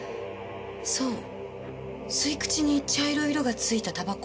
そう吸い口に茶色い色がついたタバコ。